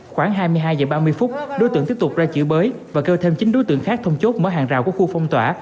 khoảng hai mươi hai h ba mươi phút đối tượng tiếp tục ra chửi bới và kêu thêm chín đối tượng khác thông chốt mở hàng rào của khu phong tỏa